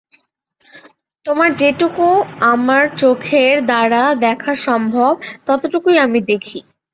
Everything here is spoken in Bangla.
তোমার যেটুকু আমার চোখের দ্বারা দেখা সম্ভব, ততটুকুই আমি দেখি।